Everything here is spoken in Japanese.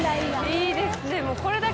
いいですね。